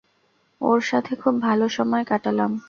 ওর সাথে খুব ভালো সময় কাটালাম।